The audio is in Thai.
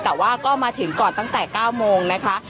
แต่ว่าก็มาถึงก่อนตั้งแต่๙โมงนะคะ